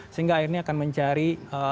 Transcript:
sehingga airnya akan mencari